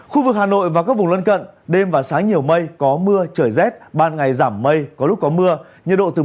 khu vực hà nội và các vùng lân cận đêm và sáng nhiều mây có mưa trở rét ban ngày giảm mây có lúc có mưa nhiệt độ từ một mươi tám hai mươi bốn độ